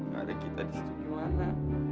gak ada kita di situ gimana